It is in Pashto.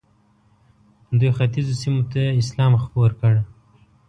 دوی ختیځو سیمو ته اسلام خپور کړ.